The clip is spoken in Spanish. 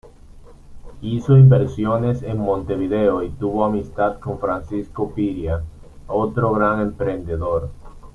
Hizo inversiones en Montevideo y tuvo amistad con Francisco Piria, otro gran emprendedor.